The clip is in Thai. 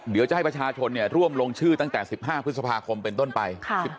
เดี๋ยวจะให้ประชาชนร่วมลงชื่อตั้งแต่๑๕พฤษภาคมเป็นต้นไป